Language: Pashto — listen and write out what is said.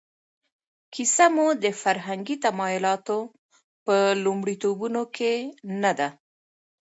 کیسه مو د فرهنګي تمایلاتو په لومړیتوبونو کې نه ده.